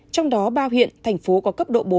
trong đó ba huyện thành phố có cấp độ bốn